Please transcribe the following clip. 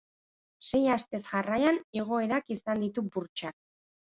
Sei astez jarraian igoerak izan ditu burtsak.